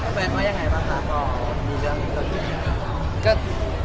แฟนว่ายังไงบ้างคะตอนมีเรื่องเกิดขึ้นอย่างไร